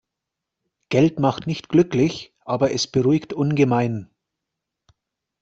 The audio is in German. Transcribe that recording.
Geld macht nicht glücklich, aber es beruhigt ungemein.